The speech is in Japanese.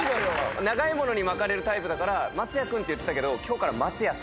長いものに巻かれるタイプだから。って言ってたけど今日から。